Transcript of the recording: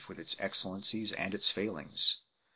with its excellencies and its failings.